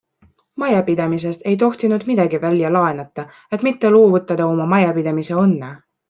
Majapidamisest ei tohtinud midagi välja laenata, et mitte loovutada oma majapidamise õnne.